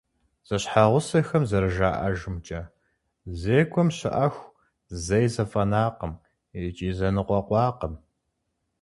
Зэщхьэгъусэхэм зэрыжаӏэжымкӏэ, зекӏуэм щыӏэху зэи зэфӏэнакъым икӏи зэныкъуэкъуакъым.